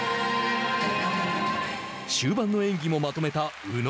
終盤の演技もまとめた宇野。